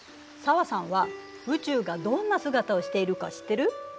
紗和さんは宇宙がどんな姿をしているか知ってる？